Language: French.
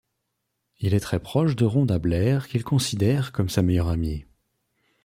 Il est très proche de Rhonda Blair qu'il considère comme sa meilleure amis.